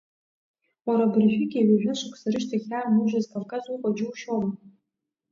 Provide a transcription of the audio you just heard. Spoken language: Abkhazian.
Уара абыржәгьы ҩажәа шықәса рышьҭахь иаанужьыз Кавказ уҟоу џьушьома?